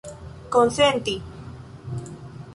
konsenti